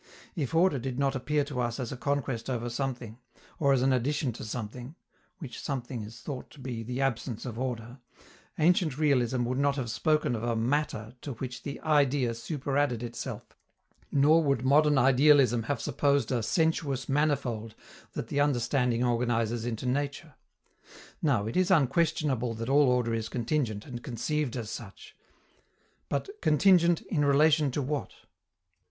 If order did not appear to us as a conquest over something, or as an addition to something (which something is thought to be the "absence of order"), ancient realism would not have spoken of a "matter" to which the Idea superadded itself, nor would modern idealism have supposed a "sensuous manifold" that the understanding organizes into nature. Now, it is unquestionable that all order is contingent, and conceived as such. But contingent in relation to what?